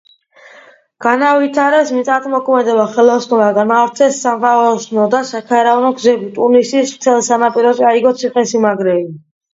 განავითარეს მიწათმოქმედება, ხელოსნობა, განავრცეს სანაოსნო და საქარავნო გზები, ტუნისის მთელ სანაპიროზე აიგო ციხესიმაგრეები.